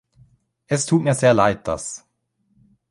Es tut mir sehr leid, dass.